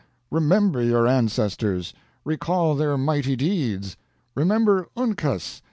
Remember your ancestors! Recall their mighty deeds! Remember Uncas!